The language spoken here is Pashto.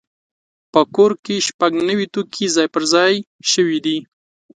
په کور کې شپږ نوي توکي ځای پر ځای شوي دي.